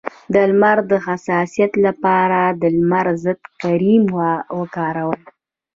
د لمر د حساسیت لپاره د لمر ضد کریم وکاروئ